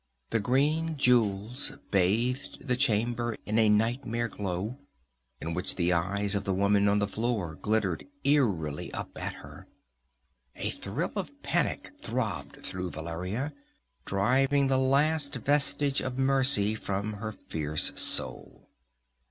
The green jewels bathed the chamber in a nightmare glow, in which the eyes of the woman on the floor glittered eerily up at her. A thrill of panic throbbed through Valeria, driving the last vestige of mercy from her fierce soul.